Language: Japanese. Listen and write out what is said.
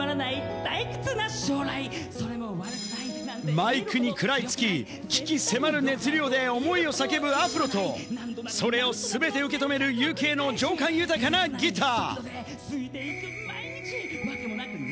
マイクに食らいつき、鬼気迫る熱量で思いを叫ぶアフロとそれを全て受け止めるＵＫの情感豊かなギター。